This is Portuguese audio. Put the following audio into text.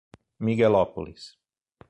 Miguelópolis